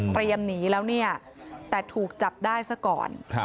หนีแล้วเนี่ยแต่ถูกจับได้ซะก่อน